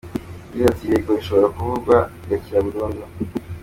Yagize ati : “Yego ishobora kuvurwa igakira burundu.